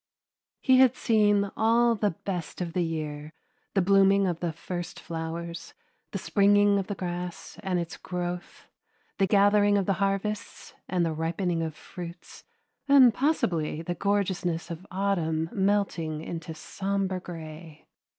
He had seen all the best of the year, the blooming of the first flowers, the springing of the grass and its growth, the gathering of the harvests and the ripening of fruits, and possibly the gorgeousness of autumn melting into sombre gray.